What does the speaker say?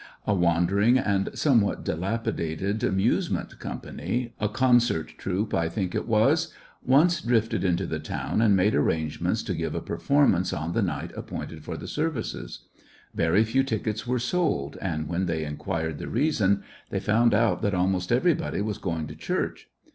A 53 ^ecottections of a wandering and somewhat dilapidated amuse ment company— a concert troupe, I think it was— once drifted into the town and made arrangements to give a performance on the night appointed for the services. Very few tickets were sold, and when they inquired the reason they found out that almost everybody was going to church.